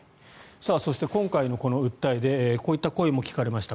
そして今回の訴えでこういった声も聞かれました。